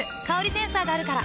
センサーがあるから。